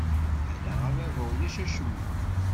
Ala a baba ulac acemma!